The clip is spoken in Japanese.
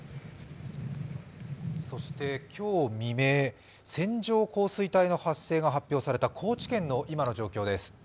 今日未明、線状降水帯の発生が発表された高知県の今の状況です。